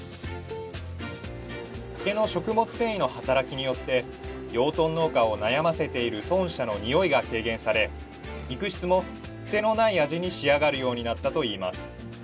竹の食物繊維の働きによって養豚農家を悩ませている豚舎のにおいが軽減され肉質もクセのない味に仕上がるようになったといいます